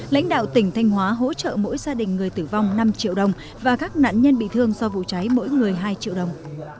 lãnh đạo tỉnh thanh hóa hỗ trợ mỗi gia đình người tử vong năm triệu đồng và các nạn nhân bị thương do vụ cháy mỗi người hai triệu đồng